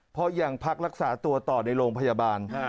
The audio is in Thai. เพราะยังพักรักษาตัวต่อในโรงพยาบาล